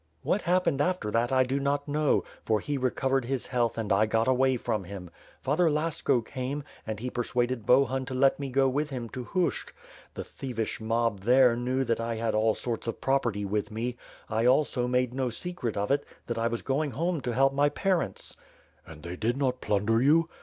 "What happened after that, I do not know; for he recovered his health and I got away from him. Father Lasko came, and he persuaded Bohun to let me go with him to Hushch. The thievish mob there knew that I had all sorts of prop erty with me. I, also, made no secret of it, that I was going home to help my parents." "And they did not plunder you?"